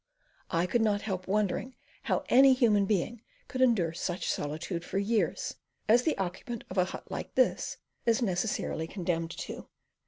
I could not help wondering how any human being could endure such solitude for years, as the occupant of a hut like this is necessarily condemned to.